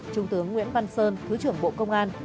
trung tướng nguyễn văn sơn thứ trưởng bộ công an